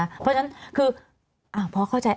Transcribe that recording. เพราะฉะนั้นคือพอเข้าใจ